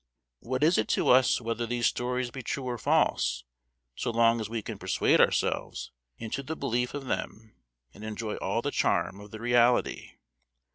What is it to us whether these stories be true or false, so long as we can persuade ourselves into the belief of them and enjoy all the charm of the reality?